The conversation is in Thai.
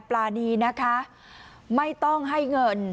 ปราณีไม่ต้องให้เงิน